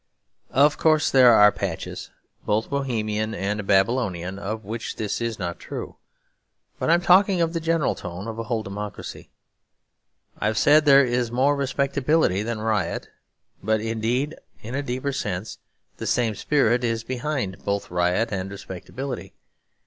Of course there are patches, both Bohemian and Babylonian, of which this is not true, but I am talking of the general tone of a whole democracy. I have said there is more respectability than riot; but indeed in a deeper sense the same spirit is behind both riot and respectability.